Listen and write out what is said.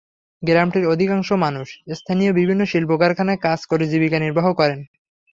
গ্রামটির অধিকাংশ মানুষ স্থানীয় বিভিন্ন শিল্পকারখানায় কাজ করে জীবিকা নির্বাহ করেন।